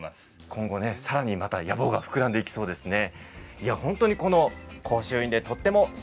今後さらに野望が膨らんでいきそうですね。